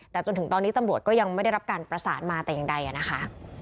แต่จนถึงตอนนี้ตำรวจก็ยังไม่ได้รับการประสานมาแต่อย่างใดนะคะ